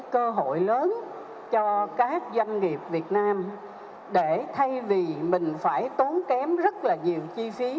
cơ hội lớn cho các doanh nghiệp việt nam để thay vì mình phải tốn kém rất là nhiều chi phí